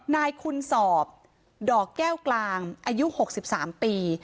นายคุณสอบดอกแก้วกลางอายุ๖๓ปี